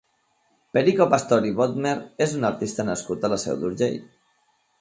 Perico Pastor i Bodmer és un artista nascut a la Seu d'Urgell.